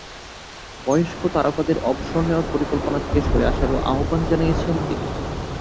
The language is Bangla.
বয়স্ক তারকাদের অবসর নেওয়ার পরিকল্পনা থেকে সরে আসারও আহ্বান জানিয়েছেন তিনি।